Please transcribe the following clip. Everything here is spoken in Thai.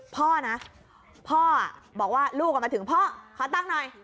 พ่อนะพ่อบอกว่าลูกออกมาถึงรอถ้าทั้งหน่อย